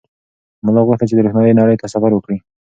ملا غوښتل چې د روښنایۍ نړۍ ته سفر وکړي.